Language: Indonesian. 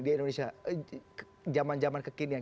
di indonesia zaman zaman kekinian